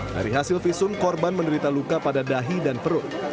dari hasil visum korban menderita luka pada dahi dan perut